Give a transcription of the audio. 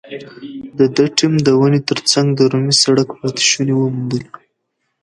د ده ټیم د ونې تر څنګ د رومي سړک پاتې شونې وموندلې.